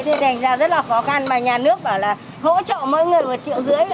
thì thành ra rất là khó khăn mà nhà nước bảo là hỗ trợ mỗi người một triệu rưỡi